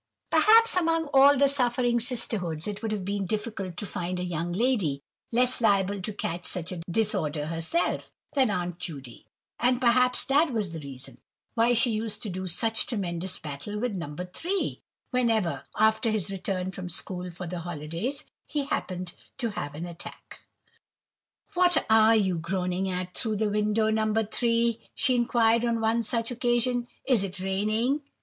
Perhaps among all the suffering sisterhoods it would have been difficult to find a young lady less liable to catch such a disorder herself, than Aunt Judy; and perhaps that was the reason why she used to do such tremendous battle with No. 3, whenever, after his return from school for the holidays, he happened to have an attack. "What are you groaning at through the window, No. 3?" she inquired on one such occasion; "is it raining?"